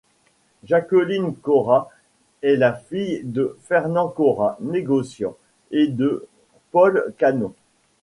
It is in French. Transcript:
Jacqueline Caurat est la fille de Fernand Caurat, négociant, et de Paule Canon.